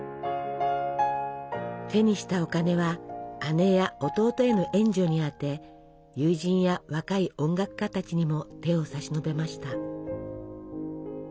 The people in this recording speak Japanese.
手にしたお金は姉や弟への援助に充て友人や若い音楽家たちにも手を差し伸べました。